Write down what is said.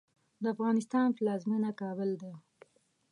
د افغانستان پلازمېنه کابل ده